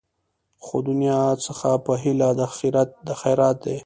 خو دنیا څخه په هیله د خیرات دي